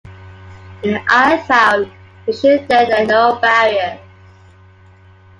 In the I-Thou relation there are no barriers.